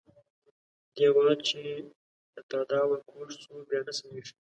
ديوال چې د تاداوه کوږ سو ، بيا نه سمېږي.